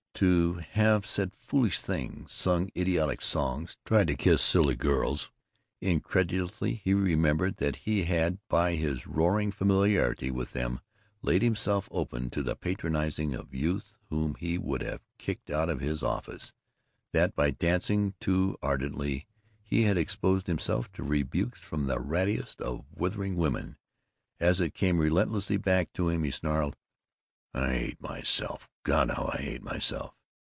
To have said foolish things, sung idiotic songs, tried to kiss silly girls! Incredulously he remembered that he had by his roaring familiarity with them laid himself open to the patronizing of youths whom he would have kicked out of his office; that by dancing too ardently he had exposed himself to rebukes from the rattiest of withering women. As it came relentlessly back to him he snarled, "I hate myself! God how I hate myself!"